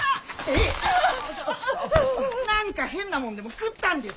何か変なもんでも食ったんでしょ！